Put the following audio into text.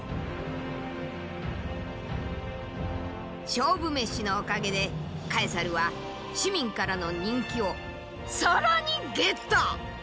勝負メシのおかげでカエサルは市民からの人気を更にゲット！